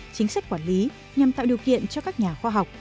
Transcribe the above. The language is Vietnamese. chính sách quản lý nhằm tạo điều kiện cho các nhà khoa học